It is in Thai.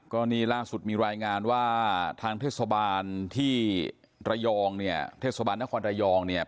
ก็นี่ล่าสุดมีรายงานว่าทางเทศบาลที่ระยองเนี่ยเทศบาลนครระยองเนี่ย